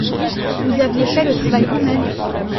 Vous aviez fait le travail vous-mêmes.